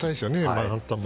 マンハッタンも。